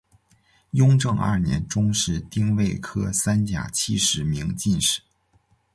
雍正二年中式丁未科三甲七十名进士。